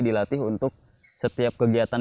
dilatih untuk setiap kegiatan